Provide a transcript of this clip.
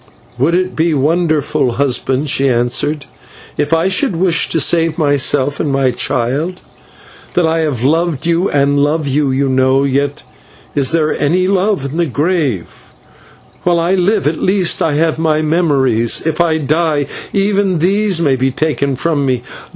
"Would it be wonderful, husband," she answered, "if I should wish to save myself and my child? That I have loved you and love you, you know; yet is there any love in the grave? While I live, at least I have my memories; if I die, even these may be taken from me.